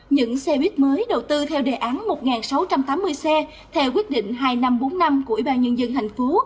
những xe buýt mới đầu tư theo đề án một sáu trăm tám mươi xe theo quyết định hai năm bốn năm của ủy ban nhân dân hành phố